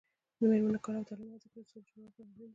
د میرمنو کار او تعلیم مهم دی ځکه چې سولې جوړولو لپاره مهم دی.